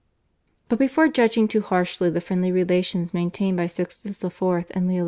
But before judging too harshly the friendly relations maintained by Sixtus IV. and Leo X.